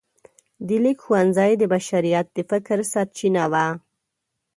د لیک ښوونځی د بشریت د فکر سرچینه وه.